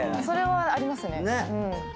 それはありますね。